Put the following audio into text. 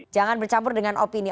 jangan bercampur dengan opini